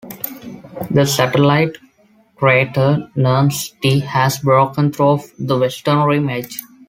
The satellite crater Nernst T has broken through the western rim edge.